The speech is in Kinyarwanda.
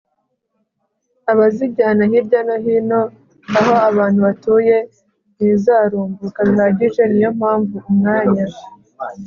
abazijyana hirya no hino aho abantu batuye ntizarumbuka bihagije. niyo mpamvu umwanya